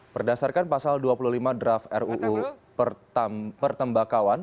berdasarkan pasal dua puluh lima draft ruu per tembakauan